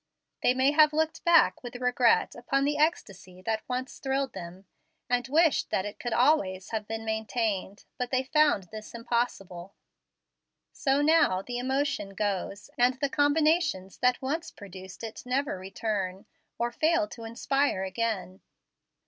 They may have looked back with regret upon the ecstasy that once thrilled them, and wished that it could always have been maintained; but they found this impossible. So, now, the emotion goes, and the combinations that once produced it never return, or fail to inspire it again.